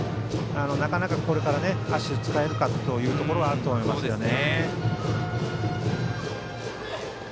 なかなか、これから足を使えるかというところはあると思いますね。